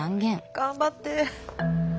頑張って。